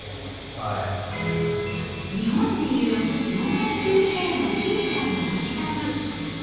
日本でいう４ＬＤＫの木内さんのご自宅。